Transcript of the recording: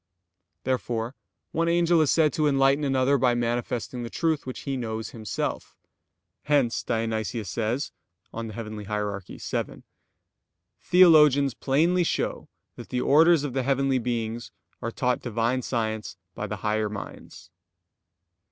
Therefore one angel is said to enlighten another by manifesting the truth which he knows himself. Hence Dionysius says (Coel. Hier. vii): "Theologians plainly show that the orders of the heavenly beings are taught Divine science by the higher minds."